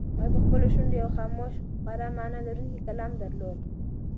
هغې په خپلو شونډو یو خاموش خو خورا مانا لرونکی کلام درلود.